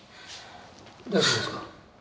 大丈夫ですか？